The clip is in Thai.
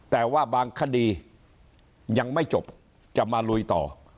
แต่ว่าบางคดียังไม่จบจะมาลุยต่อ